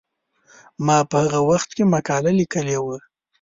ما په هغه وخت کې مقاله لیکلې وه.